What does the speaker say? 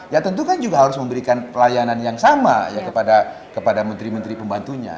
ya tentu kan juga harus memberikan pelayanan yang sama ya kepada menteri menteri pembantunya